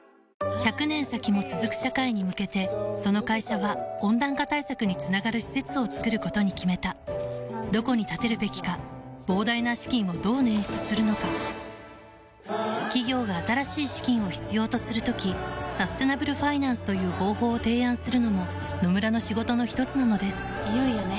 １００年先も続く社会に向けてその会社は温暖化対策につながる施設を作ることに決めたどこに建てるべきか膨大な資金をどう捻出するのか企業が新しい資金を必要とする時サステナブルファイナンスという方法を提案するのも野村の仕事のひとつなのですいよいよね。